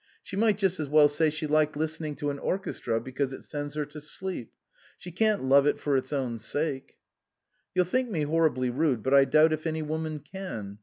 She might just as well say she liked listening to an or chestra because it sends her to sleep. She can't love it for its own sake." " You'll think me horribly rude, but I doubt if any woman can.